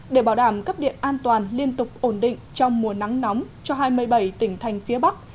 để bảo đảm cấp điện an toàn liên tục ổn định trong mùa nắng nóng cho hai mươi bảy tỉnh thành phía bắc